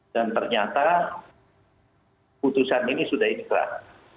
dan ternyata putusan ini sudah inkrah